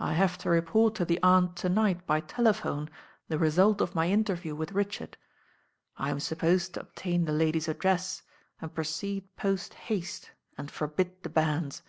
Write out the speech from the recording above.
"I have to report to the Aunt to night by telephone the result of my interview with Richard. I'm sup posed to obtain the lady's address and proceed post haste and forbid the banns."